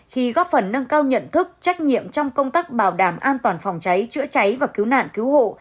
khi góp phần nâng cao nhận thức trách nhiệm trong công tác bảo đảm an toàn phòng cháy chữa cháy và cứu nạn cứu hộ